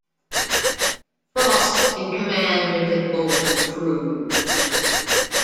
Frost in command of the Gold Crew.